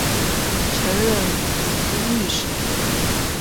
曾任左都御史。